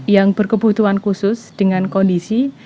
yang berkebutuhan khusus dengan kondisi